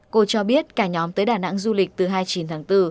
cô cho biết cả nhóm tới đà nẵng du lịch từ hai mươi chín tháng bốn